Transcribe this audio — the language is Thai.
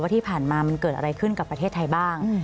ที่ผ่านมามันเกิดอะไรขึ้นกับประเทศไทยบ้าง